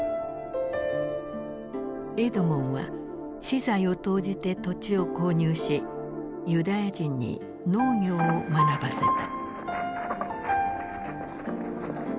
エドモンは私財を投じて土地を購入しユダヤ人に農業を学ばせた。